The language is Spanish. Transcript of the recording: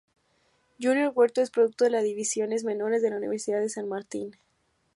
Junior Huerto es producto de las divisiones menores de la Universidad de San Martín.